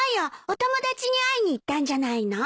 お友達に会いに行ったんじゃないの？